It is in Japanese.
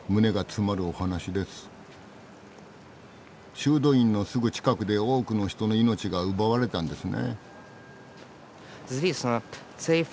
修道院のすぐ近くで多くの人の命が奪われたんですね。